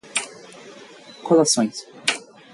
Colações